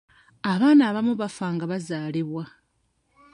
Abaana abamu bafa nga bazaalibwa.